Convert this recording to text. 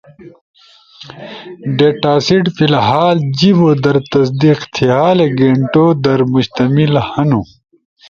ڈیٹاسیٹ فی الحال جیبو در تصدیق تھیالے گینٹو در مشتمل ہنو،